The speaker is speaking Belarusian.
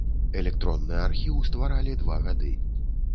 Электронны архіў стваралі два гады.